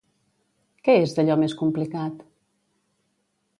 Què és d'allò més complicat?